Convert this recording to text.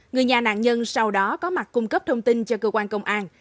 người nhà nạn nhân sau đó có mặt cung cấp thông tin cho cơ quan công an